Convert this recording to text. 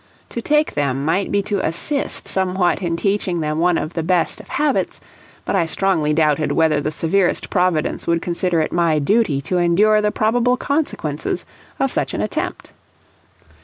To take them might be to assist somewhat in teaching them one of the best of habits, but I strongly doubted whether the severest Providence would consider it my duty to endure the probable consequences of such an attempt.